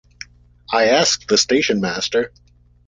I asked the station-master.